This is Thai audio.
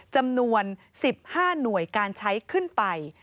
จำนวน๑๕หน่วยการใช้ขึ้นไป